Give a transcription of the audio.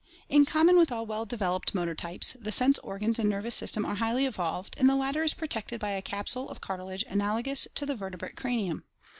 — In common with all well developed motor types, the sense organs and nervous system are highly evolved, and the latter is protected by a capsule of cartilage analogous to the verte brate cranium.